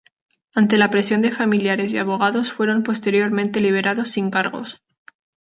Ante la presión de familiares y abogados fueron posteriormente liberados sin cargos.